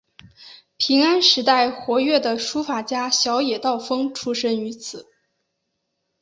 平安时代活跃的书法家小野道风出身于此。